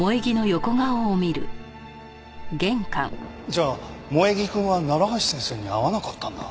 じゃあ萌衣くんは楢橋先生に会わなかったんだ。